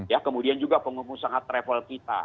ya kemudian juga penghubung sangat travel kita